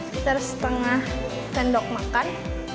kita setengah cendok makan